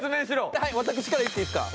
はい私から言っていいですか？